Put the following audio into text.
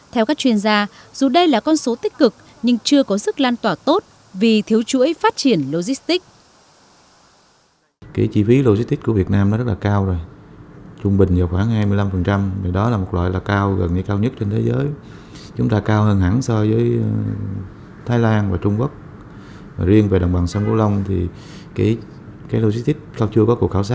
theo các chuyên gia dù đây là con số tích cực nhưng chưa có sức lan tỏa tốt vì thiếu chuỗi phát triển logistics